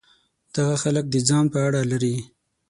دغه خلک د ځان په اړه لري.